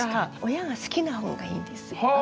親が好きな本がいいんです。